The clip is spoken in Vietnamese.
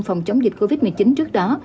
phòng chống dịch covid một mươi chín trước đó